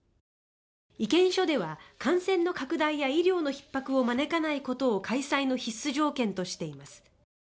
意見書では感染の拡大や医療のひっ迫を招かないことを開催の必須条件としています。